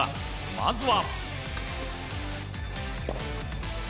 まずは。